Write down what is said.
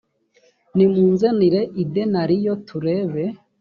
nimunzanire idenariyo turebe